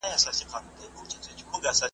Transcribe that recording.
نه ټګي د مولویانو نه بدمرغه واسکټونه ,